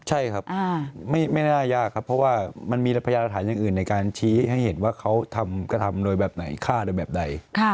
ใช่ครับไม่น่ายากครับเพราะว่ามันมีพยานฐานอย่างอื่นในการชี้ให้เห็นว่าเขากระทำโดยแบบไหนฆ่าโดยแบบใด